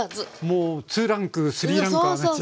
もう２ランク３ランク上がっちゃう。